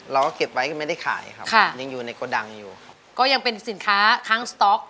เราก็เก็บไว้ก็ไม่ได้ขายครับค่ะยังอยู่ในโกดังอยู่ครับก็ยังเป็นสินค้าค้างสต๊อก